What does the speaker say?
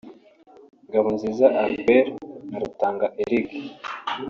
Ngabonziza Albert na Rutanga Eric